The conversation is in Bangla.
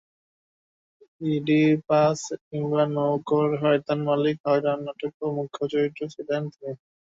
ইডিপাস কিংবা নওকর শয়তান মালিক হয়রান নাটকেও মুখ্য চরিত্রে ছিলেন তিনি।